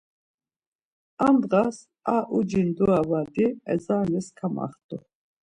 Ar ndğas, ar uci ndura badi ezanes kamaxtu.